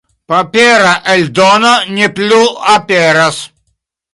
Papera eldono ne plu aperas.